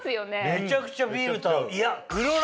めちゃくちゃビールと合う。